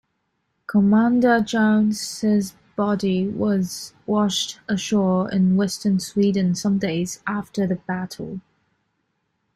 Commander Jones' body was washed ashore in Western Sweden some days after the battle.